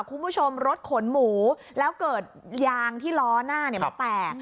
คุณผู้ชมรถขนหมูแล้วเกิดยางที่ล้อหน้าเนี่ยมันแตก